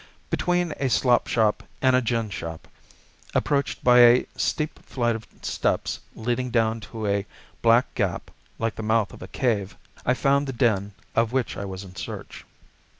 Between a slop shop and a gin shop, approached by a steep flight of steps leading down to a black gap like the mouth of a cave, I found the den of which I was in search.